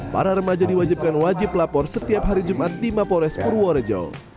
para remaja diwajibkan wajib lapor setiap hari jumat di mapores purworejo